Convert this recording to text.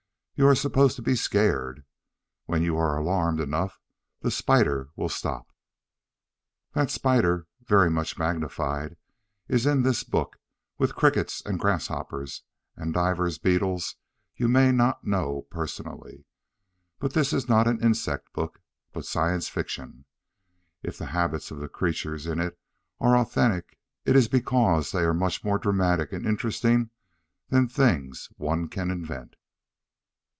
You are supposed to be scared. When you are alarmed enough, the spider will stop. That spider, very much magnified, is in this book with crickets and grasshoppers and divers beetles you may not know personally. But this is not an insect book, but science fiction. If the habits of the creatures in it are authentic, it is because they are much more dramatic and interesting than things one can invent.